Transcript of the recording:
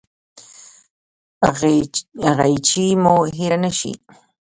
غیچي مو هیره نه شي